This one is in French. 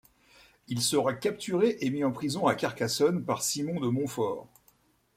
Il sera capturé et mis en prison à Carcassonne par Simon de Montfort.